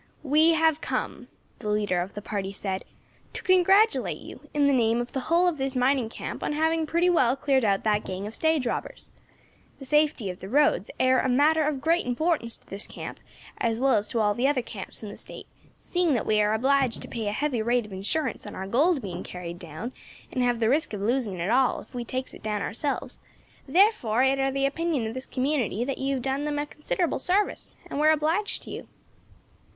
"We have come," the leader of the party said, "to congratulate you in the name of the hull of this mining camp on having pretty well cleared out that gang of stage robbers. The safety of the roads air a matter of great importance to this camp, as well as to all the other camps in the State, seeing that we air obliged to pay a heavy rate of insurance on our gold being carried down, and have the risk of losing it all if we takes it down ourselves; therefore it air the opinion of this community that you have done them a considerable sarvice, and we are obliged to you."